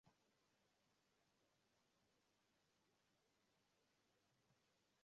des évolués ambazo zilikuwa klabu za Waafrika wenye elimu ya kibelgiji na kutazamwa kuwa